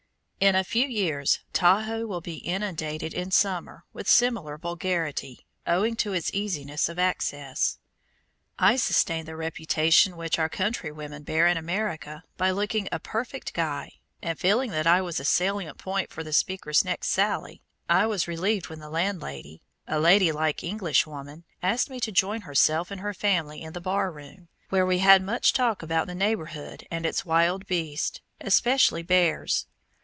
In a few years Tahoe will be inundated in summer with similar vulgarity, owing to its easiness of access. I sustained the reputation which our country women bear in America by looking a "perfect guy"; and feeling that I was a salient point for the speaker's next sally, I was relieved when the landlady, a ladylike Englishwoman, asked me to join herself and her family in the bar room, where we had much talk about the neighborhood and its wild beasts, especially bears.